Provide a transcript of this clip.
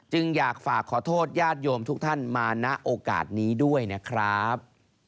อยากฝากขอโทษญาติโยมทุกท่านมาณโอกาสนี้ด้วยนะครับ